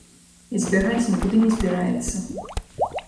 І збягаць нікуды не збіраецца.